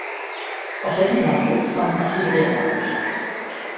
Auf dessen Landsitz fanden auch die Dreharbeiten statt.